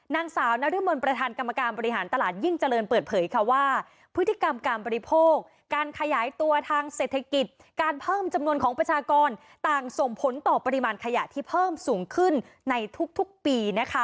นางสาวนรมนประธานกรรมการบริหารตลาดยิ่งเจริญเปิดเผยค่ะว่าพฤติกรรมการบริโภคการขยายตัวทางเศรษฐกิจการเพิ่มจำนวนของประชากรต่างส่งผลต่อปริมาณขยะที่เพิ่มสูงขึ้นในทุกปีนะคะ